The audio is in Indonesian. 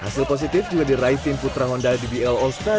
hasil positif juga diraih tim putra honda dbl all stars